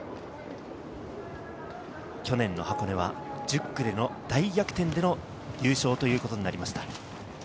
去年の箱根は１０区での大逆転での優勝ということになりました。